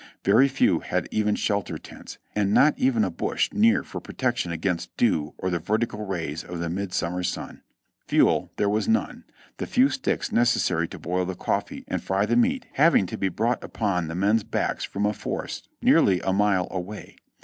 Very few had even shelter tents, and not even a bush near for protection against dew or the vertical rays of the midsummer sun. Fuel there was none, the few sticks necessary to boil the coffee and fry the meat having to be brought upon the men's backs from a forest nearly a mile away.